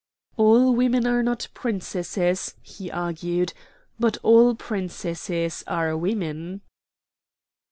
"All women are not princesses," he argued, "but all princesses are women."